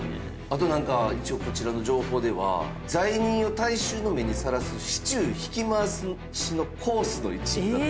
あとなんか一応こちらの情報では罪人を大衆の目にさらす市中引き回しのコースの一部だったという話。